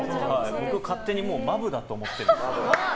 勝手にマブだと思ってるんですけど。